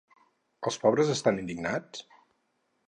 Els pobres estan indignats?